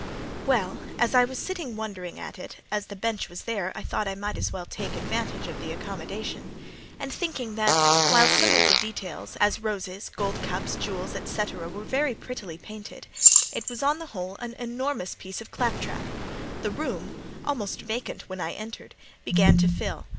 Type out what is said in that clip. Well, I was sitting wondering at it (as the bench was there, I thought I might as well take advantage of its accommodation), and thinking that while some of the details—as roses, gold cups, jewels, &c., were very prettily painted, it was on the whole an enormous piece of claptrap; the room, almost vacant when I entered, began to fill.